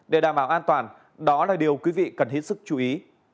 để đảm bảo an toàn đó là điều quý vị cần hết sức chú ý